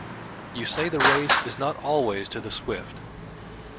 You say the race is not always to the swift.